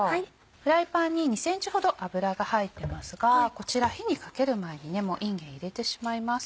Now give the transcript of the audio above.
フライパンに２ｃｍほど油が入ってますがこちら火にかける前にいんげん入れてしまいます。